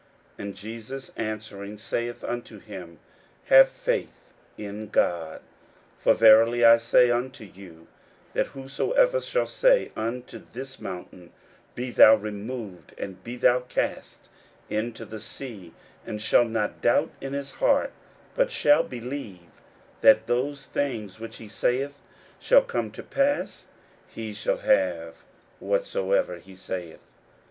41:011:022 And Jesus answering saith unto them, Have faith in God. 41:011:023 For verily I say unto you, That whosoever shall say unto this mountain, Be thou removed, and be thou cast into the sea; and shall not doubt in his heart, but shall believe that those things which he saith shall come to pass; he shall have whatsoever he saith.